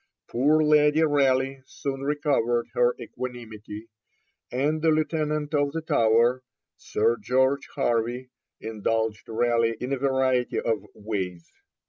Poor Lady Raleigh soon recovered her equanimity, and the Lieutenant of the Tower, Sir George Harvey, indulged Raleigh in a variety of ways.